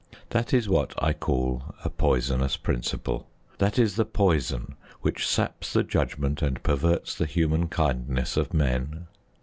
That is what I call a poisonous principle. That is the poison which saps the judgment and perverts the human kindness of men.